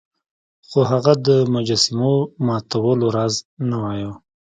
خو هغه د مجسمو ماتولو راز نه وایه.